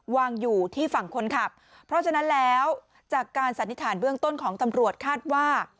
วางอยู่ที่ฝั่งคนขับเพราะฉะนั้นแล้วจากการสันนิษฐานเบื้องต้นของตำรวจคาดว่า